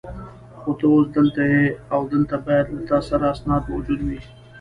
خو ته اوس دلته یې او دلته باید له تا سره اسناد موجود وي.